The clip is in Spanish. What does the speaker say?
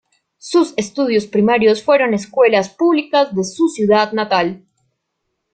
Sus estudios primarios fueron escuelas públicas de su ciudad natal.